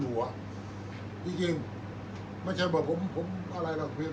อันไหนที่มันไม่จริงแล้วอาจารย์อยากพูด